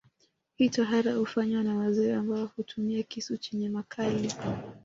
Hii tohara hufanywa na wazee ambao hutumia kisu chenye makali